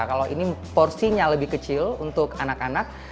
kalau ini porsinya lebih kecil untuk anak anak